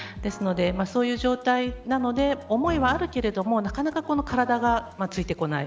そういう状態なので思いはあるけれどもなかなか体がついてこない。